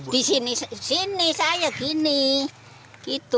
di sini saya begini gitu